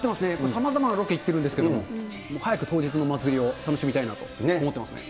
さまざまなロケ行ってるんですけど、早く当日のお祭りを楽しみたいなと思ってますね。